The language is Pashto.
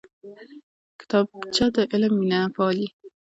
کتابچه د علم مینه پالي